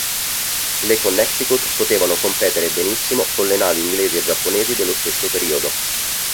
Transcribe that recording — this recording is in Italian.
Le Connecticut potevano competere benissimo con le navi inglesi e giapponesi dello stesso periodo.